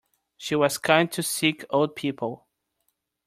She was kind to sick old people.